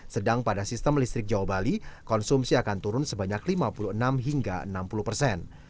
sedang pada sistem listrik jawa bali konsumsi akan turun sebanyak lima puluh enam hingga enam puluh persen